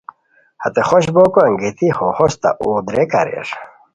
ہتے خوش بوکو انگیتی ہو ہوستہ اوغ دراک اریر